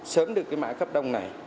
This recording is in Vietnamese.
sớm được mã cấp đông này